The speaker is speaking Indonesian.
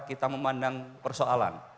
kita memandang persoalan